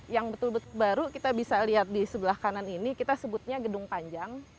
yang betul betul baru kita bisa lihat di sebelah kanan ini kita sebutnya gedung panjang